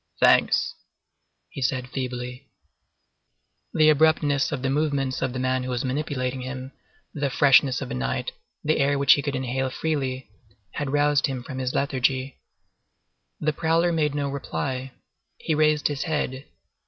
"Thanks," he said feebly. The abruptness of the movements of the man who was manipulating him, the freshness of the night, the air which he could inhale freely, had roused him from his lethargy. The prowler made no reply. He raised his head.